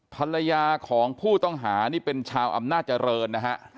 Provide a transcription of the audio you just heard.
ภรรยาของผู้ต้องหานี่เป็นชาวอำนาจเจริญนะฮะ